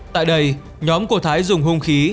tại đây nhóm của thái dùng hung khí